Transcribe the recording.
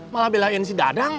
malah belain si dadang